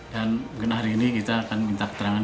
dan mungkin hari ini kita akan minta keterangan